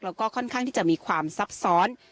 แล้วก็ค่อนข้างที่จะมีความซับซ้อน